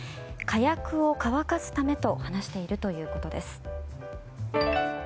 火薬を乾かすためと話しているということです。